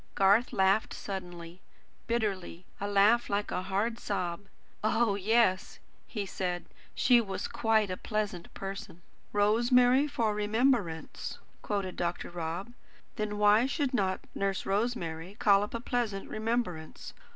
Garth laughed suddenly, bitterly; a laugh like a hard, sob. "Oh, yes," he said, "she was quite a pleasant person." "'Rosemary for remembrance,'" quoted Dr. Rob. "Then why should not Nurse Rosemary call up a pleasant remembrance?